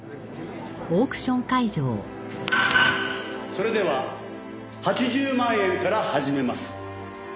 それでは８０万円から始めます。